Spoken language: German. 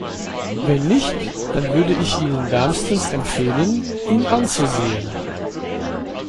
Wenn nicht, dann würde ich Ihnen wärmstens empfehlen, ihn anzusehen.